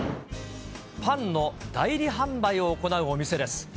パンの代理販売を行うお店です。